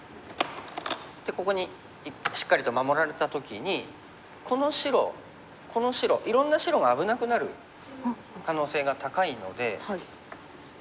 でここにしっかりと守られた時にこの白この白いろんな白が危なくなる可能性が高いので。